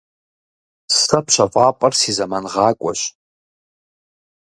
Сэ пщэфӏапӏэр си зэмангъакӏуэщ.